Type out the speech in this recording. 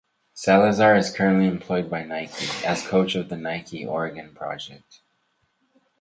Salazar is currently employed by Nike as coach of the Nike Oregon Project.